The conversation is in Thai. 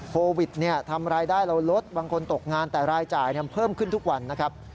โควิดทำรายได้เราลดบางคนตกงานแต่รายจ่ายเพิ่มขึ้นทุกวันนะครับ